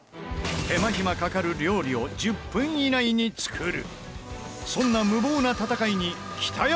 手間暇かかる料理を１０分以内に作る。